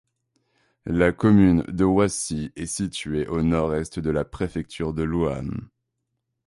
La commune de Ouassi est située au nord-est de la préfecture de l’Ouham.